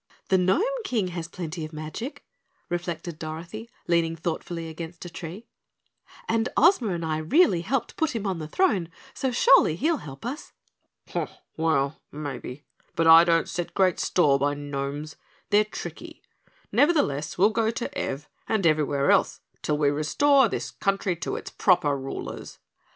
"The Gnome King has plenty of magic," reflected Dorothy, leaning thoughtfully against a tree, "and Ozma and I really helped put him on the throne, so surely he'll help us." "Well, maybe, but I don't set great store by gnomes. They're tricky, nevertheless we'll go to Ev and everywhere else till we restore this country to its proper rulers."